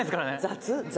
雑？」